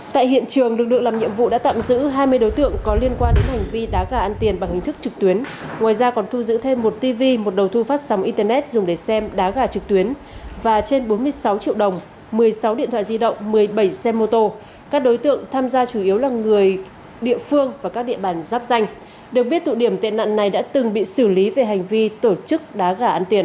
tại hiện trường lực lượng làm nhiệm vụ đã tạm giữ hai mươi đối tượng có liên quan đến hành vi đá gà ăn tiền bằng hình thức trực tuyến ngoài ra còn thu giữ thêm một tv một đầu thu phát sóng internet dùng để xem đá gà trực tuyến và trên bốn mươi sáu triệu đồng một mươi sáu điện thoại di động một mươi bảy xe mô tô các đối tượng tham gia chủ yếu là người địa phương và các địa bàn giáp danh được biết tụ điểm tệ nặng này đã từng bị xử lý về hành vi tổ chức đá gà ăn tiền